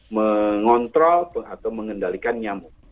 mengontrol atau mengendalikan nyamuk